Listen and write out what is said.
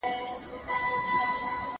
هم لري